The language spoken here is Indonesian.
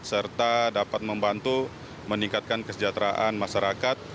serta dapat membantu meningkatkan kesejahteraan masyarakat